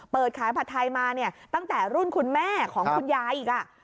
เปิดขายผัดไทยมาเนี่ยตั้งแต่รุ่นคุณแม่ของคุณยายอีก